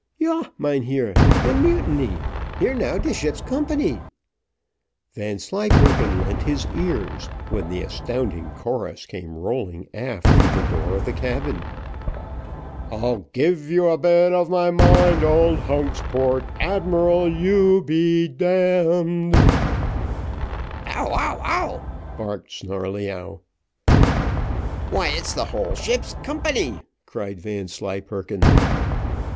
"Yaw, mynheer de mutiny hear now de ship's company." Vanslyperken lent his ears, when the astounding chorus came rolling aft through the door of the cabin, "I'll give you a bit of my mind, old hunks, Port Admiral you be d d" "Bow, wow, wow," barked Snarleyyow. "Why, it's the whole ship's company!" cried Vanslyperken.